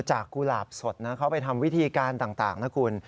กุหลาบสดนะเขาไปทำวิธีการต่างนะคุณ